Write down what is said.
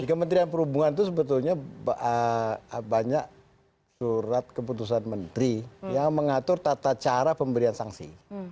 di kementerian perhubungan itu sebetulnya banyak surat keputusan menteri yang mengatur tata cara pemberian sanksi